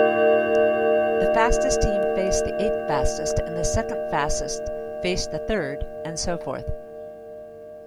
The fastest team faced the eighth-fastest, the second-fastest faced the third, and so forth.